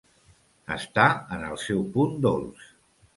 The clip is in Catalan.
Estar en el seu punt dolç.